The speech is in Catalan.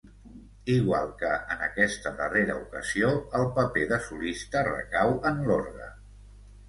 Igual que en aquesta darrera ocasió el paper de solista recau en l'orgue.